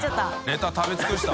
ネタ食べ尽くした？